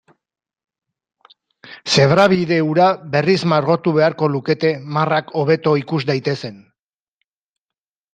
Zebrabide hura berriz margotu beharko lukete marrak hobeto ikus daitezen.